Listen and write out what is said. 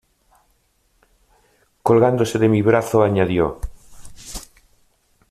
colgándose de mi brazo, añadió: